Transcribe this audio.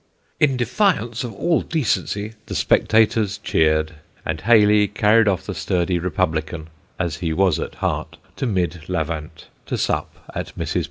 "In defiance of all decency," the spectators cheered, and Hayley carried off the sturdy Republican (as he was at heart) to Mid Lavant, to sup at Mrs. Poole's.